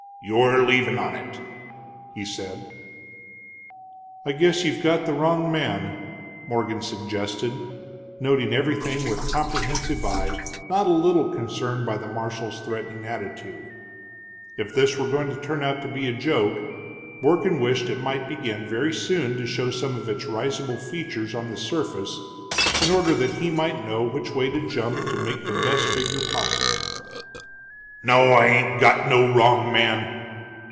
"You're leavin' on it," he said. "I guess you've got the wrong man," Morgan suggested, noting everything with comprehensive eye, not a little concerned by the marshal's threatening attitude. If this were going to turn out a joke, Morgan wished it might begin very soon to show some of its risible features on the surface, in order that he might know which way to jump to make the best figure possible. "No, I ain't got no wrong man!"